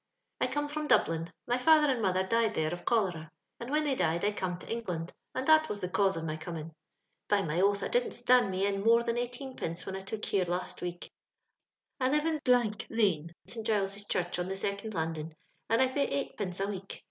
" I come from Dublin ; my father and mo tlier died there of cholera; and when they died, I come to England, and that was the cause of my coming. " By my oath it didn't stand me in more than eighteenpence that I took here last week. " I live in lane, St. Giles's Ghurob, on the second landing, and I pay eightpenee a week.